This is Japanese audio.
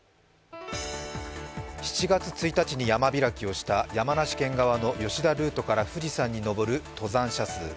７月１日に山開きをした山梨県側の吉田ルートから富士山に登る登山者数。